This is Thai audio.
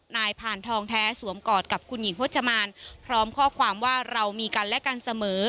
ผ่านทองแท้สวมกอดกับคุณหญิงพจมานพร้อมข้อความว่าเรามีกันและกันเสมอ